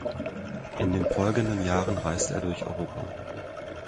In den folgenden Jahren reiste er durch Europa.